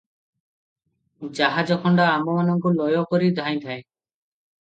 ଜାହାଜଖଣ୍ଡ ଆମ୍ଭମାନଙ୍କୁ ଲୟ କରି ଧାଇଁଥାଏ ।